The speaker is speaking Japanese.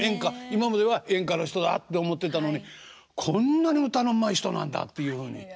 今までは演歌の人だって思ってたのにこんなに歌のうまい人なんだっていうふうに。